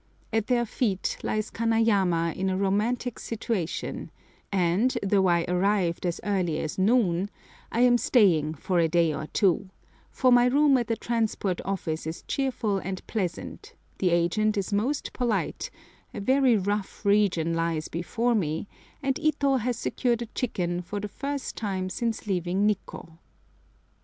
At their feet lies Kanayama in a romantic situation, and, though I arrived as early as noon, I am staying for a day or two, for my room at the Transport Office is cheerful and pleasant, the agent is most polite, a very rough region lies before me, and Ito has secured a chicken for the first time since leaving Nikkô!